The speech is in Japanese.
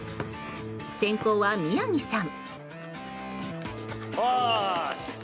先攻は宮城さん。